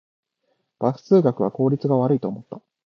バス通学は効率が悪いと思った